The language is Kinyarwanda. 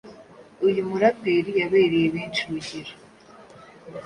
Uyu mu rapper yabereye benshi urugero